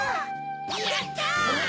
やった！